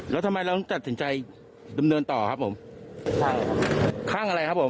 แล้วทำไมเราต้องตัดสินใจดำเนินต่อครับผมคลั่งข้างอะไรครับผม